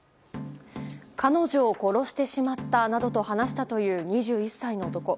彼女を殺してしまったなどと話したという２１歳の男。